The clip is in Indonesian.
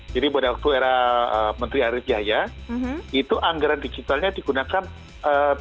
jadi pada waktu era menteri arief jaya itu anggaran digitalnya digunakan terutama untuk anggaran digital